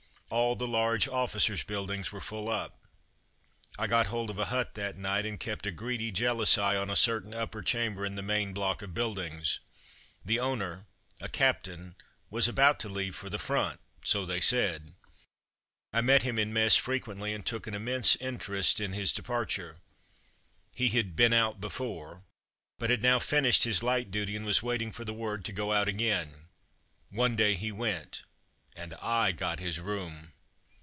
All the large officers' buildings were full up. I got hold of a hut that night, and kept a greedy, jealous eye on a certain upper chamber in the main block of build ings. The owner, a captain, was about to leave for the front, so they said. I met him in mess frequently, and took an immense in terest in his departure. He had "been out'' before, but had now finished his light duty and was waiting for the word to go out again One day he went, and I got his room.